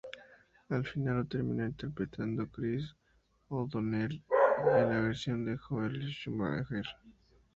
Al final lo terminó interpretando Chris O'Donnell en la versión de Joel Schumacher.